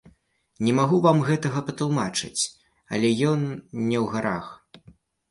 Не магу вам гэтага патлумачыць, але ён не ў гарах.